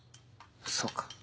そうか。